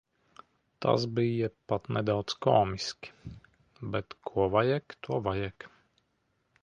Tas bija pat nedaudz komiski, bet ko vajag, to vajag.